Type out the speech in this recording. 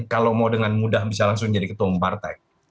kalau mau dengan mudah bisa langsung jadi ketua umum partai